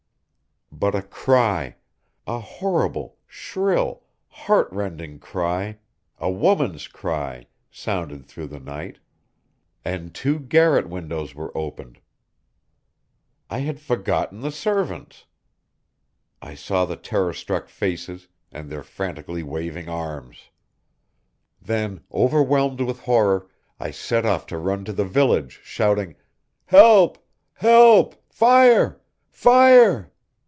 But a cry, a horrible, shrill, heartrending cry, a woman's cry, sounded through the night, and two garret windows were opened! I had forgotten the servants! I saw the terrorstruck faces, and their frantically waving arms!... Then, overwhelmed with horror, I set off to run to the village, shouting: "Help! help! fire! fire!"